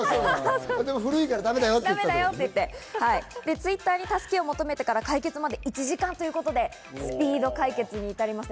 Ｔｗｉｔｔｅｒに助けを求めてから解決まで１時間ということで、スピード解決に至りました。